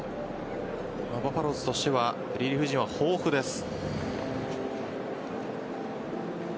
バファローズとしてはリリーフ陣は豊富です。